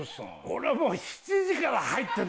俺はもう。